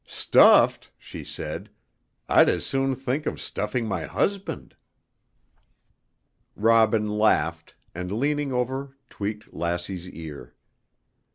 'Stuffed!' she said; 'I'd as soon think of stuffing my husband!'" Robin laughed, and leaning over tweaked Lassie's ear.